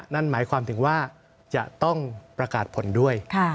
นั่นหมายความถึงว่าจะต้องประกาศผลด้วย